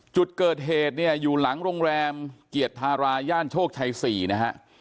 จุดเกิดเหตุเนี่ยอยู่หลังโรงแรมเกียรติธาราย่านโชคชัย๔นะฮะ